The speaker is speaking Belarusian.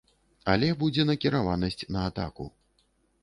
Але будзе накіраванасць на атаку.